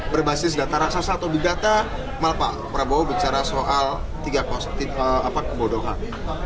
berbasis data raksasa atau big data malpa prabowo bicara soal kebodohan